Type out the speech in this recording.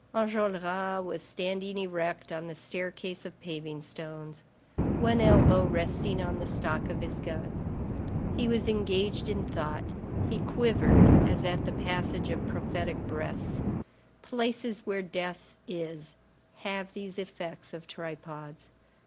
Enjolras was standing erect on the staircase of paving stones, one elbow resting on the stock of his gun. He was engaged in thought; he quivered, as at the passage of prophetic breaths; places where death is have these effects of tripods.